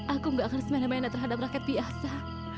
aku gak akan semeneh meneh terhadap rakyat biasa